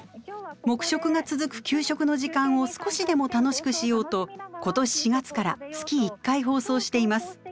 黙食が続く給食の時間を少しでも楽しくしようと今年４月から月１回放送しています。